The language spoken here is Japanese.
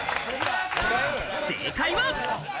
正解は。